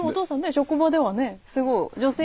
職場ではねすごい女性に。